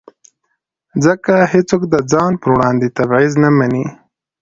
ځکه هېڅوک د ځان پر وړاندې تبعیض نه مني.